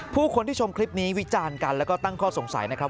ผู้คนที่ชมคลิปนี้วิจารณ์กันแล้วก็ตั้งข้อสงสัยนะครับ